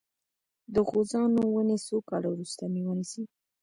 د غوزانو ونې څو کاله وروسته میوه نیسي؟